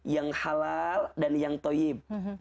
yang halal dan yang toyib